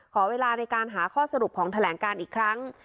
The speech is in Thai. ขอเวลาในการหาข้อสรุปของแถลงการอีกครั้ง